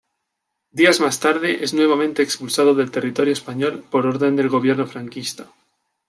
Días más tarde es nuevamente expulsado del territorio español por orden del gobierno franquista.